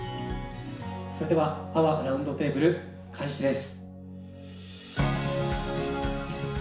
それではＡＷＡラウンドテーブル開始です。